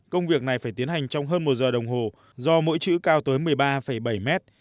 công việc này phải tiến hành trong hơn một giờ đồng hồ do mỗi chữ cao tới một mươi ba bảy mét